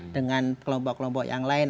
dengan kelompok kelompok yang lain